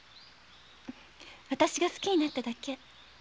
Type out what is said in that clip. わたしが好きになっただけ。